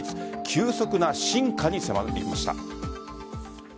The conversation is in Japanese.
急速な進化に迫ってきました。